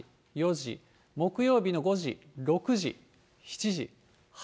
３時、４時、木曜日の５時、６時、７時、８時。